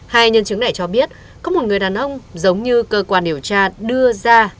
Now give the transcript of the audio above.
hai nhân chứng này cho biết có một người đàn ông giống như cơ quan điều tra đưa ra